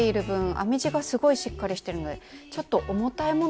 編み地がすごいしっかりしてるのでちょっと重たいもの入れても大丈夫そうですね。